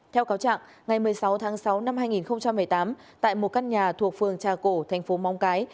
theo cáo trạng ngày một mươi sáu tháng sáu năm hai nghìn một mươi tám tại một căn nhà thuộc phường trà cổ thành phố móng cái